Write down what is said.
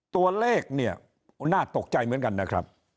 ตัวเลขเนี่ยน่าตกใจเหมือนกันนะครับ